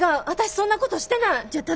私そんなことしてない！